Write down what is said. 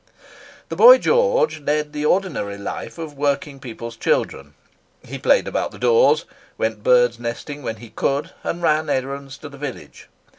The boy George led the ordinary life of working people's children. He played about the doors; went birdnesting when he could; and ran errands to the village.